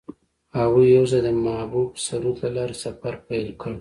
هغوی یوځای د محبوب سرود له لارې سفر پیل کړ.